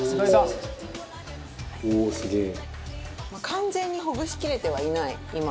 完全にほぐしきれてはいない今。